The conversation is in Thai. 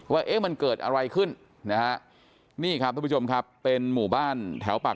ว่าเอ๊ะมันเกิดอะไรขึ้นนะฮะนี่ครับทุกผู้ชมครับเป็นหมู่บ้านแถวปาก